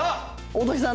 大竹さん